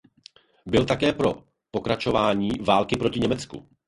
Byl také pro pokračování války proti Německu.